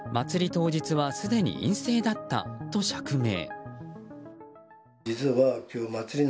当日はすでに陰性だったと釈明。